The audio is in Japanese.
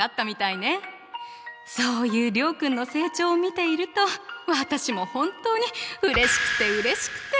そういう諒君の成長を見ていると私も本当にうれしくてうれしくて。